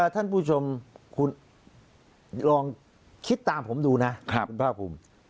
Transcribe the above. ท่านผู้ชมคุณลองคิดตามผมดูนะคุณภาคภูมิ